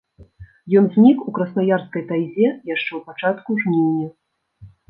Ён знік у краснаярскай тайзе яшчэ ў пачатку жніўня.